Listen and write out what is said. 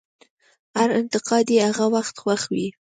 هر نقاد یې هغه وخت خوښ وي.